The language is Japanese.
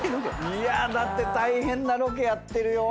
⁉だって大変なロケやってるよ。